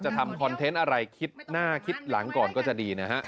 ทำคอนเทนต์อะไรคิดหน้าคิดหลังก่อนก็จะดีนะฮะ